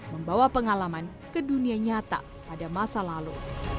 membawa pengalaman ke dunia nyata pada masa lalu